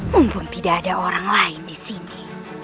mumpung tidak ada orang lain disini